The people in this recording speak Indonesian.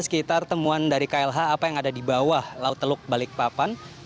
sekitar temuan dari klh apa yang ada di bawah laut teluk balikpapan